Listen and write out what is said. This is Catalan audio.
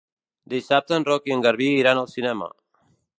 Dissabte en Roc i en Garbí iran al cinema.